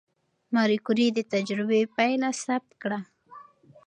ماري کوري د تجربې پایله ثبت کړه.